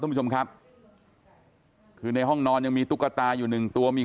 คุณผู้ชมครับคือในห้องนอนยังมีตุ๊กตาอยู่หนึ่งตัวมี